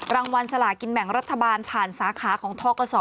รางวัลสลากินแบ่งรัฐบาลผ่านสาขาของทกศ